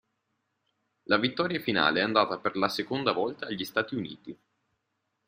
La vittoria finale è andata per la seconda volta agli Stati Uniti.